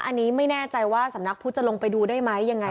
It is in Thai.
อันนี้ไม่แน่ใจว่าสำนักพุทธจะลงไปดูได้ไหมยังไง